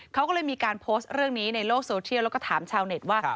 เขาก็เลยมีการโพสต์เรื่องนี้ในโลกโซเทียลแล้วก็ถามชาวเน็ตว่า